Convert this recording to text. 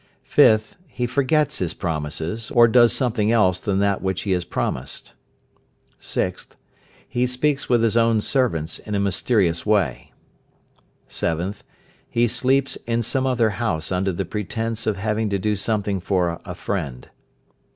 5th. He forgets his promises, or does something else than that which he has promised. 6th. He speaks with his own servants in a mysterious way. 7th. He sleeps in some other house under the pretence of having to do something for a friend.